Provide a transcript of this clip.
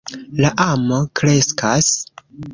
La amo kreskas.